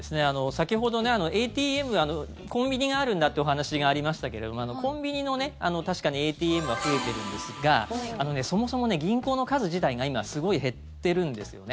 先ほど、ＡＴＭコンビニがあるんだというお話がありましたけどコンビニの確かにＡＴＭは増えているんですがそもそも銀行の数自体が今、すごい減ってるんですよね。